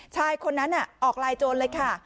ชายคนนั้นออกลายโจรเลยค่ะ